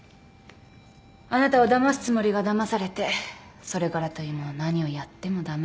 あなたをだますつもりがだまされてそれからというもの何をやっても駄目。